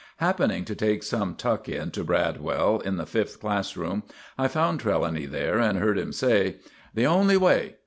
Happening to take some tuck in to Bradwell in the Fifth class room, I found Trelawny there and heard him say: "The only way.